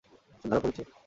সে ধরা পড়েছে?